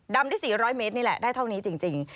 ได้๔๐๐เมตรนี่แหละได้เท่านี้จริง